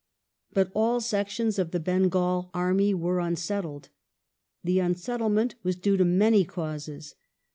But all sections of the Bengal army were unsettled. The unsettlement was due to many causes.